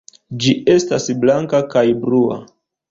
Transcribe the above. Ĝi estas blanka kaj blua.